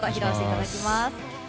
後ほど披露していただきます。